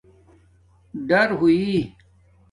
ڈور ہوئ